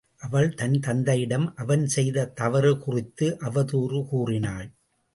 அவள் தன் தந்தையிடம் அவன் செய்த தவறுகுறித்து அவதூறு கூறினாள்.